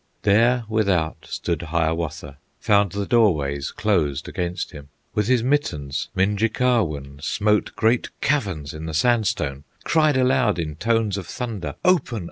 There without stood Hiawatha, Found the doorways closed against him, With his mittens, Minjekahwun, Smote great caverns in the sandstone, Cried aloud in tones of thunder, "Open!